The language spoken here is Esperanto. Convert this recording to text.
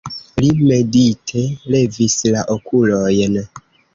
Li medite levis la okulojn.